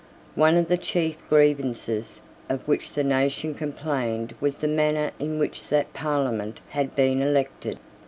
One of the chief grievances of which the nation complained was the manner in which that Parliament had been elected.